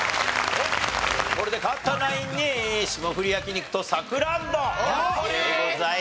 これで勝ったナインにしもふり焼肉とサクランボでございます。